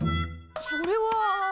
それは。